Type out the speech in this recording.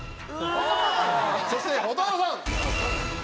そして蛍原さん。